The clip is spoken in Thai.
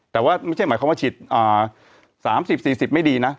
แต่ว่าไม่ใช่หมายความว่าฉีด๓๐๔๐ไม่ดีนะ